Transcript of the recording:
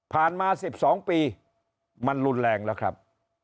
มา๑๒ปีมันรุนแรงแล้วครับ